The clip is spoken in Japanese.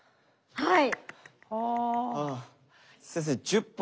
はい。